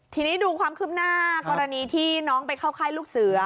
ทีนี้ดูความคืบหน้ากรณีที่น้องไปเข้าค่ายลูกเสือ